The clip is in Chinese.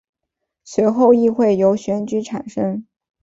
随后议会由选举产生。